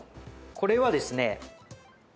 これはですね。